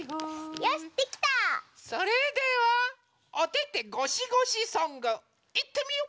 それでは「おててごしごしソング」いってみよ！